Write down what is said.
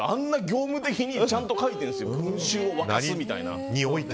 業務的にちゃんと書いてるんですよ。